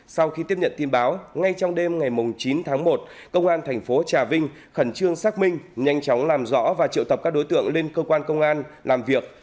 sau khi tiếp nhận tin báo ngay trong đêm ngày chín tháng một công an thành phố trà vinh khẩn trương xác minh nhanh chóng làm rõ và triệu tập các đối tượng lên cơ quan công an làm việc